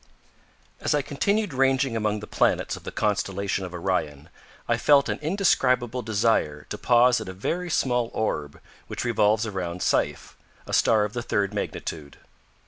As I continued ranging among the planets of the constellation of Orion, I felt an indescribable desire to pause at a very small orb which revolves around Saiph, a star of the third magnitude.